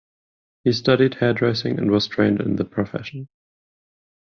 He studied hairdressing and was trained in the profession.